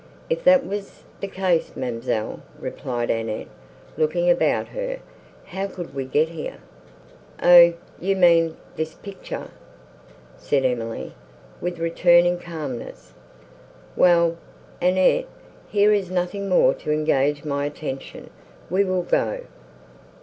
"If that was the case, ma'amselle," replied Annette, looking about her, "how could we get here?" "Oh, you mean this picture," said Emily, with returning calmness. "Well, Annette, here is nothing more to engage my attention; we will go."